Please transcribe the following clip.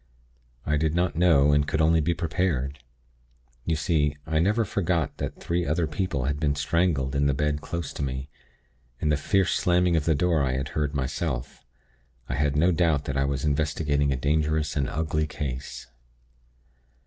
I did not know, and could only be prepared. You see, I never forgot that three other people had been strangled in the bed close to me, and the fierce slamming of the door I had heard myself. I had no doubt that I was investigating a dangerous and ugly case.